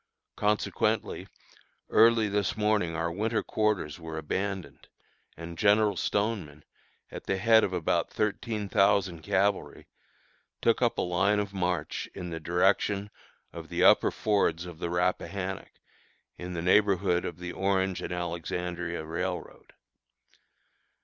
Consequently, early this morning our winter quarters were abandoned, and General Stoneman, at the head of about thirteen thousand cavalry, took up a line of march in the direction of the upper fords of the Rappahannock, in the neighborhood of the Orange and Alexandria Railroad.